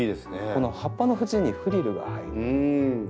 この葉っぱの縁にフリルが入る。